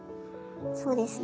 そうですね。